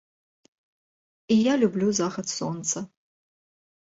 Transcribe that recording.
І я люблю захад сонца.